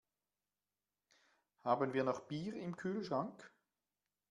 Haben wir noch Bier im Kühlschrank?